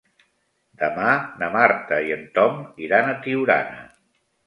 Demà na Marta i en Tom iran a Tiurana.